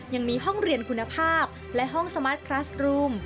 ยังมีห้องเรียนคุณภาพและห้องสมาร์ทคลัสรูม